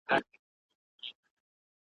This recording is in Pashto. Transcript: سره جمع کړي ټوټې سره پیوند کړي .